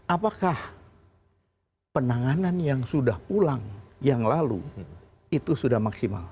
apakah penanganan yang sudah pulang yang lalu itu sudah maksimal